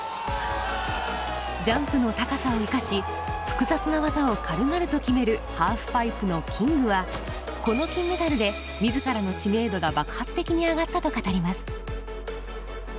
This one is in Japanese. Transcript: ジャンプの高さを生かし複雑な技を軽々と決めるハーフパイプのキングはこの金メダルで自らの知名度が爆発的に上がったと語ります。